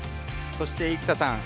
そして生田さん